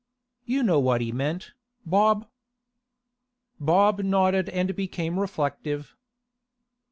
'You know what he meant, Bob?' Bob nodded and became reflective.